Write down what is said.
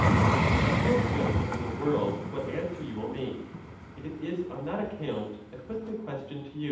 I have no doubt in the world what answer you will make, and it is on that account I put the question to you.